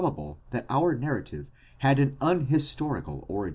bable that our narrative had an unhistorical origin.